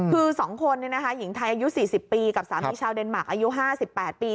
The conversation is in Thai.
คือ๒คนหญิงไทยอายุ๔๐ปีกับสามีชาวเดนมาร์อายุ๕๘ปี